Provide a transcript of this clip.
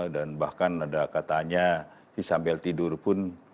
dan bahkan ada katanya disambil tidur pun